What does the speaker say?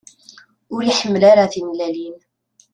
Ur yeḥmil ara timellalin.